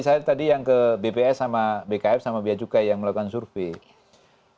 saya tadi yang ke bps sama bkf sama biaya cukai yang melakukan survei